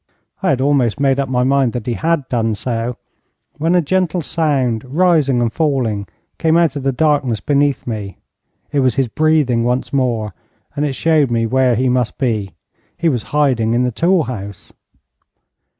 I had almost made up my mind that he had done so, when a gentle sound rising and falling came out of the darkness beneath me. It was his breathing once more, and it showed me where he must be. He was hiding in the tool house.